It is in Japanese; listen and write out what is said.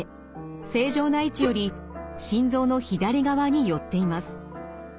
正常な位置より心臓の左側に寄っています。